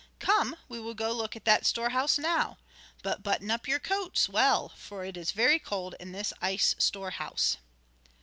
Come we will go look at that store house now. But button up your coats well, for it is very cold in this ice store house."